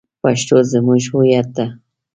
پښتو زمونږ هویت ده